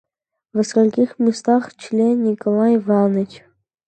Вы скольких мест член, Николай Иваныч?